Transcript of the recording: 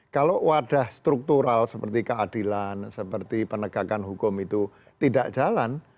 kalau wadah struktural seperti keadilan seperti penegakan hukum itu tidak jalan